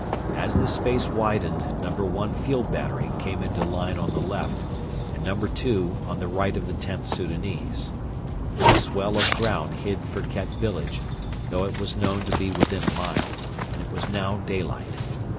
As the space widened No. 1 field battery came into line on the left, and No. 2 On the right of the Xth Soudanese. A swell of ground hid Firket village, though it was known to be within a mile, and it was now daylight.